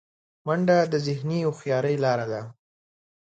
منډه د ذهني هوښیارۍ لاره ده